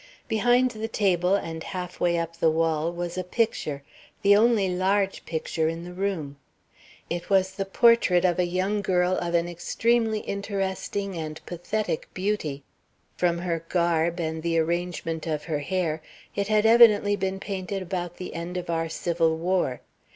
Behind the table and half way up the wall was a picture, the only large picture in the room. It was the portrait of a young girl of an extremely interesting and pathetic beauty. From her garb and the arrangement of her hair, it had evidently been painted about the end of our civil war.